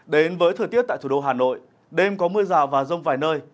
đến với thời tiết tại thủ đô hà nội đêm có mưa rào và rông vài nơi